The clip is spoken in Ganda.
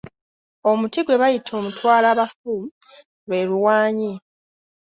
Omuti gwe bayita omutwalabafu lwe luwaanyi.